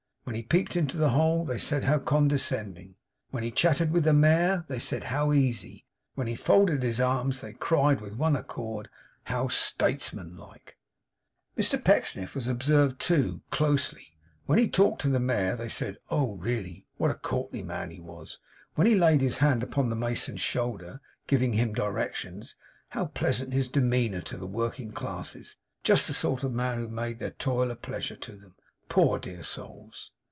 when he peeped into the hole, they said how condescending! when he chatted with the Mayor, they said how easy! when he folded his arms they cried with one accord, how statesman like! Mr Pecksniff was observed too, closely. When he talked to the Mayor, they said, Oh, really, what a courtly man he was! When he laid his hand upon the mason's shoulder, giving him directions, how pleasant his demeanour to the working classes; just the sort of man who made their toil a pleasure to them, poor dear souls!